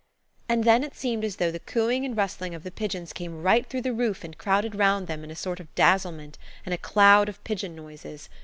And then it seemed as though the cooing and rustling of the pigeons came right through the roof and crowded round them in a sort of dazzlement and cloud of pigeon noises.